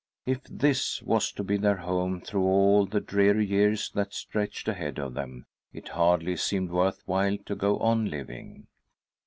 If this was to be their home through all the dreary years that stretched ahead of them, it hardly seemed worth while to go on living.